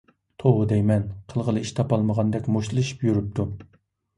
توۋا دەيمەن! قىلغىلى ئىش تاپالمىغاندەك مۇشتلىشىپ يۈرۈپتۇ.